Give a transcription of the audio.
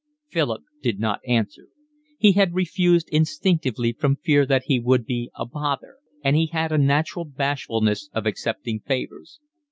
Philip did not answer. He had refused instinctively from fear that he would be a bother, and he had a natural bashfulness of accepting favours.